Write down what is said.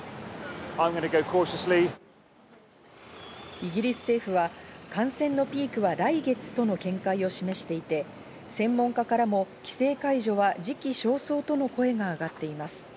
イギリス政府は感染のピークは来月との見解を示していて、専門家からも規制解除は時期尚早との声が上がっています。